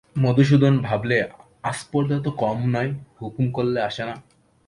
মধুসূদন ভাবলে, আস্পর্ধা তো কম নয়, হুকুম করলে আসে না।